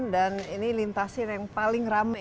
dan ini lintasin yang paling rame